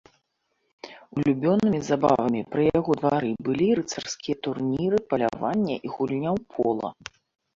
Улюблёнымі забавамі пры яго двары былі рыцарскія турніры, паляванне і гульня ў пола.